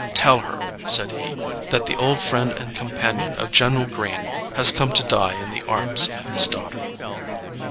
"Tell her," said he, "that the old friend and companion of General Greene has come to die in the arms of his daughter."